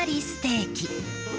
ステーキ。